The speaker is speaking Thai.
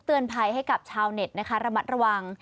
เตือนภัยให้กับชาวเน็ตนะคะระมัดระวัง